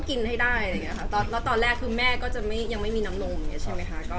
และตอนแรกคือแม่ก็จะยังไม่มีน้ำนม